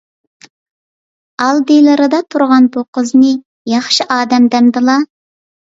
ئالدىلىرىدا تۇرغان بۇ قىزنى ياخشى ئادەم دەمدىلا؟